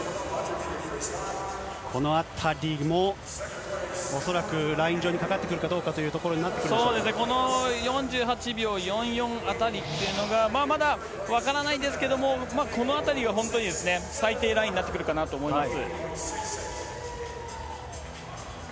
このあたりも恐らくライン上にかかってくるかどうかというところこの４８秒４４あたりというのが、まだ分からないですけども、このあたりは本当に最低ラインになってくるかなと思います。